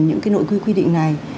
những nội quy quy định này